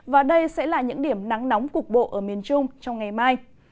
và đây sẽ là những điểm nắng nóng cục bộ ở miền trung trong ngày mai